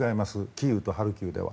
キーウとハルキウでは。